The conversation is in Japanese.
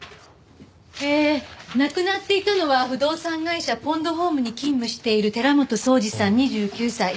ええ亡くなっていたのは不動産会社ポンドホームに勤務している寺本壮治さん２９歳。